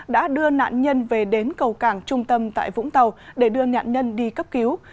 đã đưa nạn nhân về đến cầu cảng trung tâm tại vũng tàu để đưa nạn nhân đi cấp cứu